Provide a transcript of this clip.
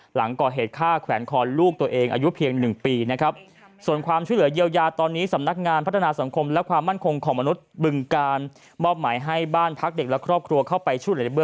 หลังก่อเหตุฆ่าแขวนคอลูกตัวเองอายุเพียง๑ปีนะครับ